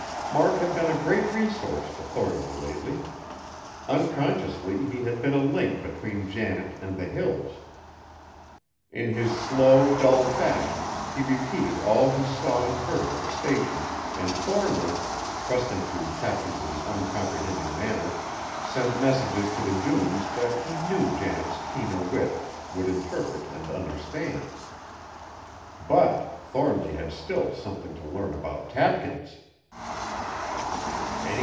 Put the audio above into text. Mark had been a great resource to Thornly lately. Unconsciously he had been a link between Janet and the Hills. In his slow, dull fashion he repeated all he saw and heard at the Station, and Thornly, trusting to Tapkins's uncomprehending manner, sent messages to the dunes that he knew Janet's keener wit would interpret and understand. But Thornly had still something to learn about Tapkins.